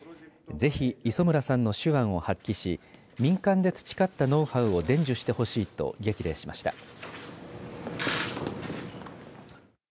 ぜひ磯村さんの手腕を発揮し民間で培ったノウハウを伝授してほしいと激励しました。